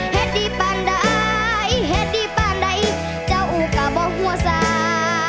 เหตุที่ป้านได้เหตุที่ป้านได้เจ้าก็บอกหัวซ้า